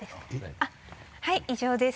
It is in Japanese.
あっはい以上です。